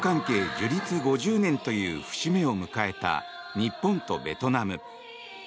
樹立５０年という節目を迎えた日本とベトナム。